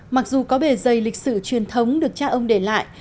mặc dù có bề dày lịch sử truyền thống được cha ông để lại